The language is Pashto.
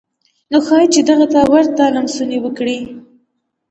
نو ښايي چې دغه ته ورته لمسونې وکړي.